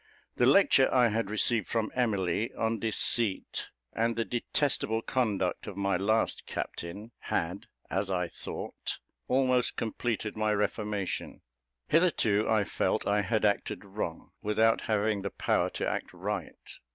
The lecture I had received from Emily on deceit, and the detestable conduct of my last captain, had, as I thought, almost completed my reformation. Hitherto I felt I had acted wrong, without having the power to act right.